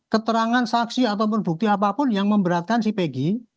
keterangan saksi ataupun bukti apapun yang memberatkan si pegi